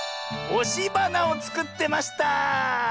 おしばなをつくってました！